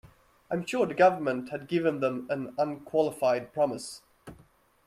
I'm sure the government had given them an unqualified promise.